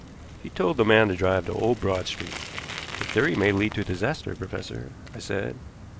He told the man to drive to Old Broad Street. "A theory may lead to disaster, professor," I said.